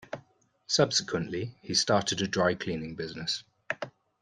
Subsequently, he started a dry-cleaning business.